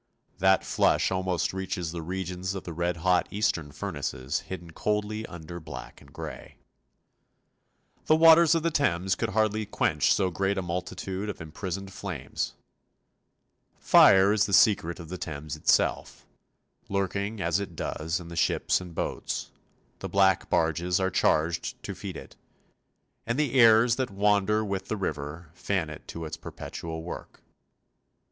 That flush almost reaches the regions of the red hot eastern furnaces hidden coldly under black and grey. The waters of the Thames could hardly quench so great a multitude of imprisoned flames. Fire is the secret of the Thames itself, lurking as it does in the ships and boats; the black barges are charged to feed it, and the airs that wander with the river fan it to its perpetual work.